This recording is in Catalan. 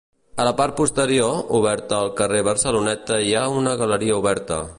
A la part posterior, oberta al carrer Barceloneta hi ha una galeria oberta.